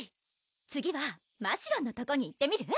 次はましろんのとこに行ってみる？